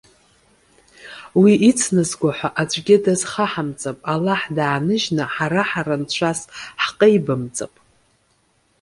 Уи ицназго ҳәа аӡәгьы дазхаҳамҵап. Аллаҳ дааныжьны ҳара-ҳара нцәас ҳҟеибамҵап.